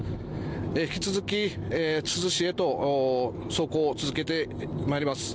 引き続き、珠洲市へと走行を続けてまいります。